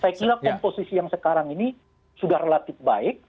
saya kira komposisi yang sekarang ini sudah relatif baik